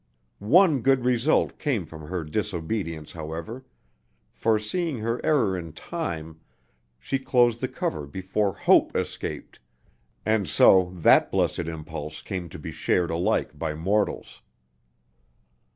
One good result came from her disobedience, however, for, seeing her error in time, she closed the cover before Hope escaped, and so that blessed impulse came to be shared alike by mortals.